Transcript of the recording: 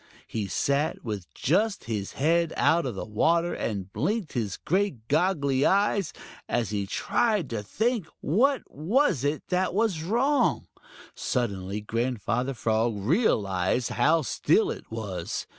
He sat with just his head out of water and blinked his great goggly eyes, as he tried to think what it was that was wrong. Suddenly Grandfather Frog realized how still it was.